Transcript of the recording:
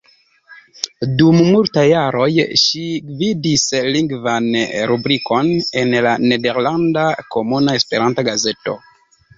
Dum multaj jaroj ŝi gvidis lingvan rubrikon en la nederlanda Komuna Esperanto-gazeto.